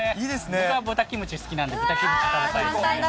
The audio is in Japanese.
僕は豚キムチ好きなんで、豚キムチ食べたい。